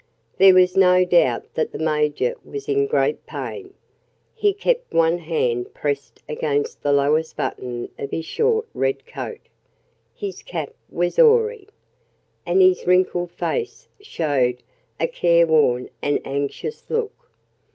There was no doubt that the Major was in great pain. He kept one hand pressed against the lowest button of his short red coat. His cap was awry. And his wrinkled face showed a careworn and anxious look.